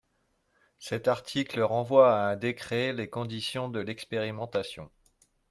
Cet article renvoie à un décret les conditions de l’expérimentation.